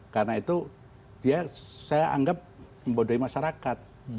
karena itu dia saya anggap membodohi masyarakat